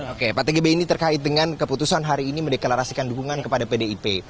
oke pak tgb ini terkait dengan keputusan hari ini mendeklarasikan dukungan kepada pdip